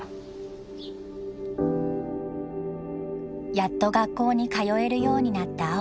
やっと学校に通えるようになった蒼葉さん。